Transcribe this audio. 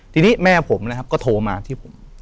ทีนี้แม่ผมนะครับก็โทรมาที่ผม